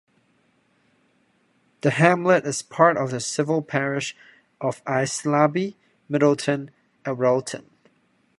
The hamlet is part of the civil parish of Aislaby, Middleton and Wrelton.